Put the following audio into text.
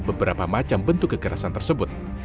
beberapa macam bentuk kekerasan tersebut